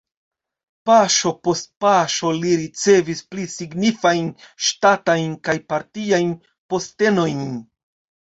Paŝo post paŝo li ricevis pli signifajn ŝtatajn kaj partiajn postenojn.